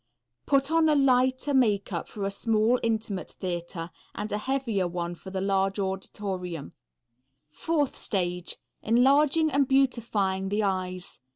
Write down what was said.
Put on a lighter makeup for a small, intimate theatre, and a heavier one for the large auditorium. Fourth stage. Enlarging and beautifying the eyes.